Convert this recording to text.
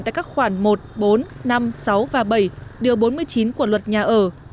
tại các khoản một bốn năm sáu và bảy điều bốn mươi chín của luật nhà ở